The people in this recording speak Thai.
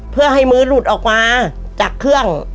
เพื่อให้มือหลุดออกมาจากเครื่อง